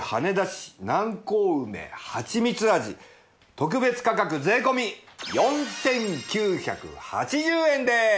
特別価格税込４９８０円です！